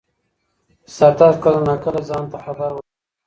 سردرد کله نا کله ځان ته خبر ورکوي.